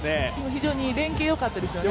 非常に連係よかったですよね。